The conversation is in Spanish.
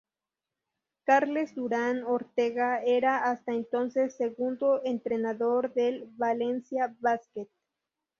Carles Durán Ortega era hasta entonces, segundo entrenador del Valencia Basket.